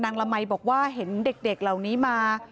ละมัยบอกว่าเห็นเด็กเหล่านี้มา